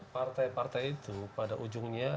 partai partai itu pada ujungnya